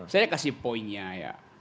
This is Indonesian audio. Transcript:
saya kasih poinnya ya